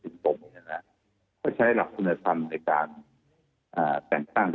สนุนโดยน้ำดื่มสิง